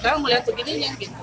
saya mau lihat begininya